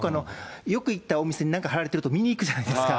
よく行ったお店になんか貼られていくと見に行くじゃないですか。